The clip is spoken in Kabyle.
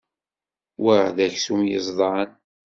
Wa d aksum yeẓdan.